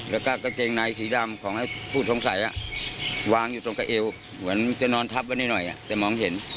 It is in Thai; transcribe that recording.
แล้วก็กางเกงในสีดำของผู้สงสัยวางอยู่ตรงกับเอวเหมือนจะนอนทับไว้หน่อยแต่มองเห็น